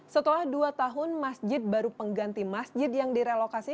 setelah dua tahun masjid baru pengganti masjid yang direlokasi